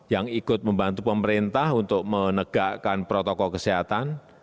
yang ikut membantu pemerintah untuk menegakkan protokol kesehatan